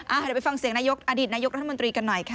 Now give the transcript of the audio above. เดี๋ยวไปฟังเสียงนายกอดีตนายกรัฐมนตรีกันหน่อยค่ะ